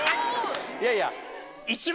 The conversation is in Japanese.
いやいや。